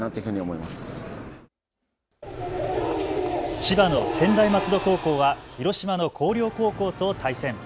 千葉の専大松戸高校は広島の広陵高校と対戦。